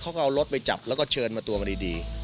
เขาก็เอารถไปจับแล้วก็เชิญมาตัวมาดี